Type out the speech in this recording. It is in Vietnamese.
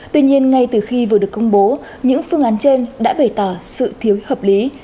tuy nhiên ngay từ khi vừa được công bố những phương án trên đã bày tỏ sự thiếu hợp lý